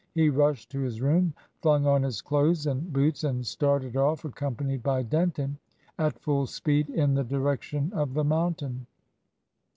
He rushed to his room, flung on his clothes and boots, and started off, accompanied by Denton, at full speed, in the direction of the mountain.